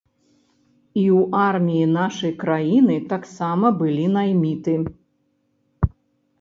І ў арміі нашай краіны таксама былі найміты.